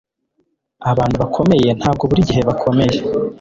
abantu bakomeye ntabwo buri gihe bakomeye